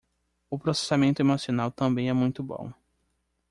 O processamento emocional também é muito bom